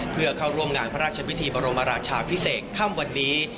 เพื่อเข้าร่วมงานพระราชพิธีบรมราชาพิเศษค่ำวันนี้